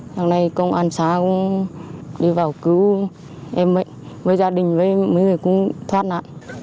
hôm nay công an xã cũng đi vào cứu em ấy với gia đình với mấy người cũng thoát nạn